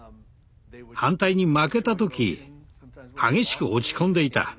反対に負けた時激しく落ち込んでいた。